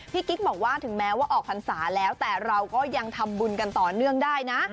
กิ๊กบอกว่าถึงแม้ว่าออกพรรษาแล้วแต่เราก็ยังทำบุญกันต่อเนื่องได้นะ